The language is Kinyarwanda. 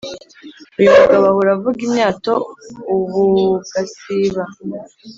uyu mugabo ahora avuga imyato ubugasiba